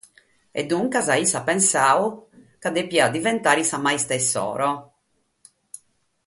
E duncas issa at pensadu chi depiat devènnere sa maistra issoro.